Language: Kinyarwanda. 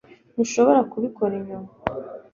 Ntushobora kubikora nyuma